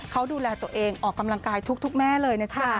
เขาดูแลตัวเองออกกำลังกายทุกแม่เลยนะจ๊ะ